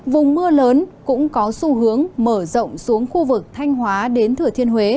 vùng mưa lớn cũng có xu hướng mở rộng xuống khu vực thanh hóa đến thừa thiên huế